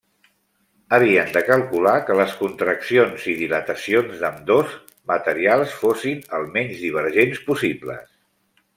Havien de calcular que les contraccions i dilatacions d'ambdós materials fossin el menys divergents possibles.